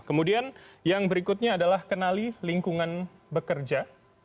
kemudian yang berikutnya adalah kenali lingkungan bekerja